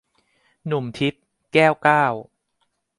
หนุ่มทิพย์ - แก้วเก้า